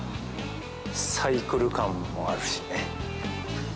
サイクル感もあるしね。